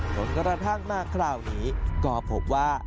จนกระทั่งมาคราวนี้ก็พบว่า